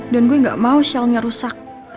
dan gue gak mau shellnya rusak